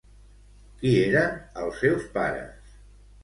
Qui eren els seus pares?